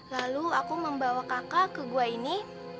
lalu aku membawa kakak ke gua ini